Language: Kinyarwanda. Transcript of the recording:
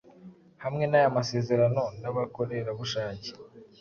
hamwe naya masezerano nabakorerabushake